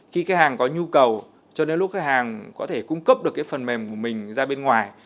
khi khách hàng có nhu cầu cho đến lúc khách hàng có thể cung cấp được cái phần mềm của mình ra bên ngoài